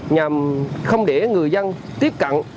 nhằm không để người dân tiếp cận